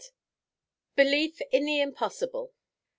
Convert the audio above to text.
BELIEF IN THE IMPOSSIBLE.